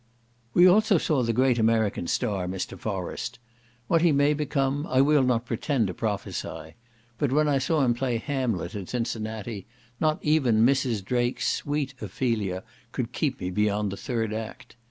We also saw the great American star, Mr. Forrest. What he may become I will not pretend to prophesy; but when I saw him play Hamlet at Cincinnati, not even Mrs. Drake's sweet Ophelia could keep me beyond the third act.